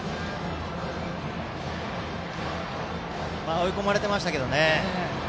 追い込まれてましたけどね。